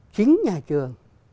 chính nhà trường